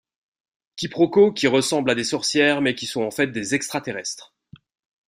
Quiproquo, qui ressemblent à des sorcières mais qui sont en fait des extraterrestres...